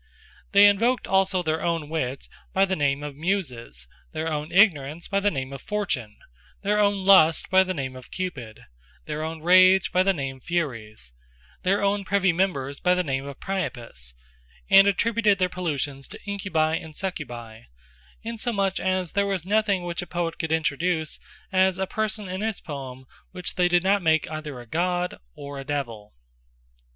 They invoked also their own Wit, by the name of Muses; their own Ignorance, by the name of Fortune; their own Lust, by the name of Cupid; their own Rage, by the name Furies; their own privy members by the name of Priapus; and attributed their pollutions, to Incubi, and Succubae: insomuch as there was nothing, which a Poet could introduce as a person in his Poem, which they did not make either a God, or a Divel.